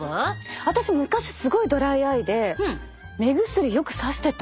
私昔すごいドライアイで目薬よくさしてた。